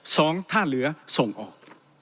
สองถ้าเหลือส่งออก